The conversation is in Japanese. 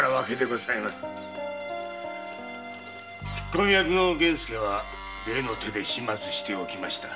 引き込み役の源助は例の手で始末しておきました。